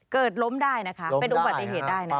ล้มได้นะคะเป็นอุบัติเหตุได้นะ